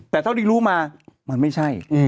แต่เท่าที่รู้มามันไม่ใช่